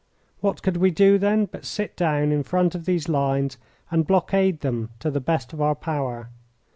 What could we do, then, but sit down in front of these lines and blockade them to the best of our power?